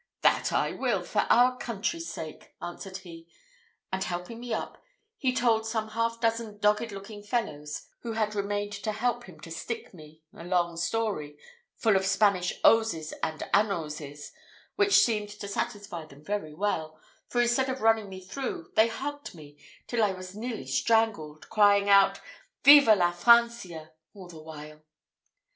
'That I will, for our country's sake,' answered he, and helping me up, he told some half dozen dogged looking fellows, who had remained to help him to stick me, a long story, full of Spanish oses and anoses, which seemed to satisfy them very well, for instead of running me through, they hugged me till I was nearly strangled, crying out, Viva la Francia! all the while.